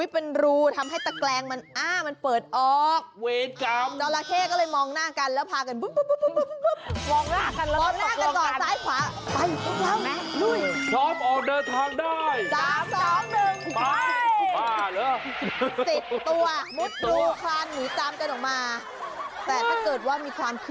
เป็นรูตรงนั้นน่ะมันเล็กนิดเดียวน่ะน่าจะรูตรงนี้แหละคุณดูดิ